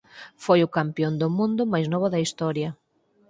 Foi o campión do mundo máis novo da historia.